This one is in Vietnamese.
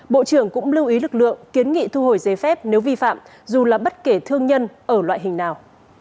bộ trưởng cũng lưu ý lực lượng kiến nghị thu hồi giấy phép nếu vi phạm dù là bất kể thương nhân ở loại hình nào